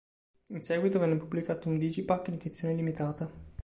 In seguito, venne pubblicato un Digipak in edizione limitata.